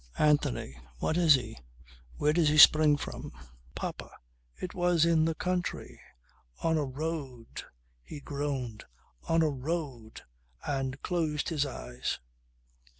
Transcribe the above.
"Anthony. What is he? Where did he spring from?" "Papa, it was in the country, on a road " He groaned, "On a road," and closed his eyes.